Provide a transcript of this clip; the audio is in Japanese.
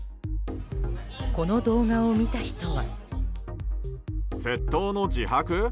この動画を見た人は。